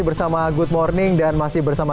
bersama good morning dan masih bersama